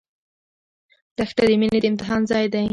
دښته د مینې د امتحان ځای دی.